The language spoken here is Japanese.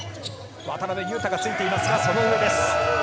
渡邊雄太がついていますが、その上です。